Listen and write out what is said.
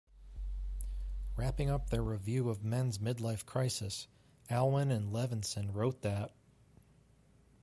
Wrapping up their review of men's mid-life crisis, Alwin and Levenson wrote that ...